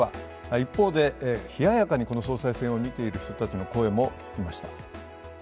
一方で冷ややかにこの総裁選を見ている人たちの声も聞きました。